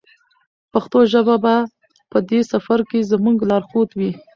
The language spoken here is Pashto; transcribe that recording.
پښتو ژبه به په دې سفر کې زموږ لارښود وي.